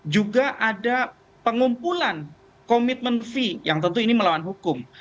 juga ada pengumpulan komitmen fee yang tentu ini melawan hukum